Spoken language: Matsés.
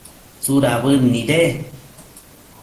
¿tsudabëd menda nide ?